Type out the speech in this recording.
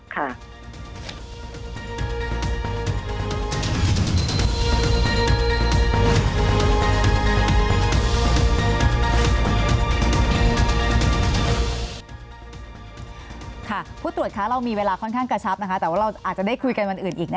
ค่ะผู้ตรวจคะเรามีเวลาค่อนข้างกระชับนะคะแต่ว่าเราอาจจะได้คุยกันวันอื่นอีกนะคะ